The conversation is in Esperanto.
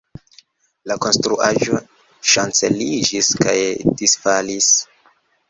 La konstruaĵo ŝanceliĝis kaj disfalis.